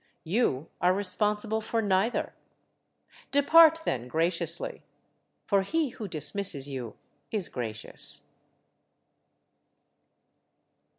You are responsible for neither. Depart then graciously; for he who dismisses you is gracious.